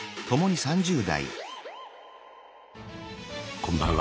こんばんは。